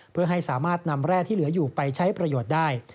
เพื่อให้สามารถนำแร่ที่เหลืออยู่ไปใช้ประโยชน์ได้